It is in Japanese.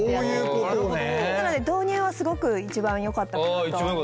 なので導入はすごく一番よかったかなと。